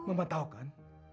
mama tahu kan